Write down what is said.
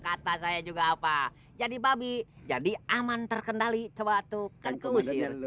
kata saya juga apa jadi babi jadi aman terkendali coba tuh kan kusir